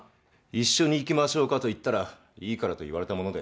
一緒に行きましょうかと言ったらいいからと言われたもので。